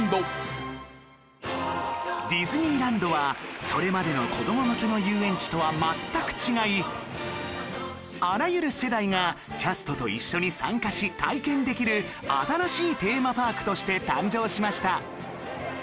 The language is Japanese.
ディズニーランドはそれまでの子ども向けの遊園地とは全く違いあらゆる世代がキャストと一緒に参加し体験できる新しいテーマパークとして誕生しました